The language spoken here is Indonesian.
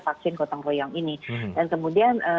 vaksin gotong royong ini dan kemudian